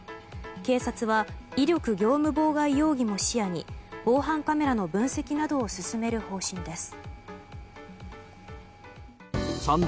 警察は威力業務妨害容疑も視野に防犯カメラの分析などを進める方針です。